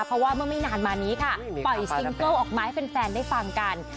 เพราะว่าเมื่อไม่นานมานี้ค่ะปล่อยซิงเกิ้ลออกมาให้แฟนได้ฟังกัน